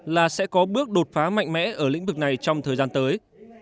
là sẽ có bước đột phá mạnh mẽ ở lĩnh vực này trong thời gian tới